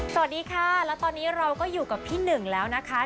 สวัสดีค่ะแล้วตอนนี้เราก็อยู่กับพี่หนึ่งแล้วนะคะ